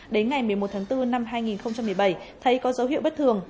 đến ngày một mươi một tháng bốn năm hai nghìn một mươi bảy thấy có dấu hiệu bất thường